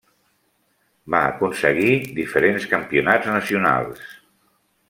Va aconseguir diferents campionats nacionals.